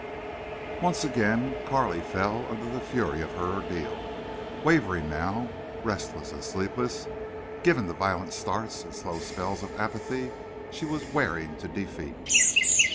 Once again Carley fell under the fury of her ordeal. Wavering now, restless and sleepless, given to violent starts and slow spells of apathy, she was wearing to defeat.